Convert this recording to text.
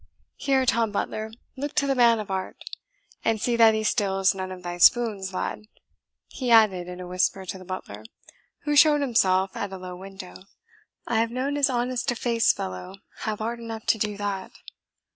Here, Tom Butler, look to the man of art; and see that he steals none of thy spoons, lad," he added in a whisper to the butler, who showed himself at a low window, "I have known as honest a faced fellow have art enough to do that."